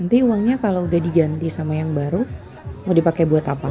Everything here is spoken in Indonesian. nanti uangnya kalau udah diganti sama yang baru mau dipakai buat apa